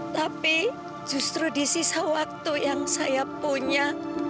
tapi justru di sisa waktu yang saya punya